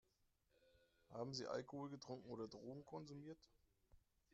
Haben Sie Alkohol getrunken oder Drogen konsumiert?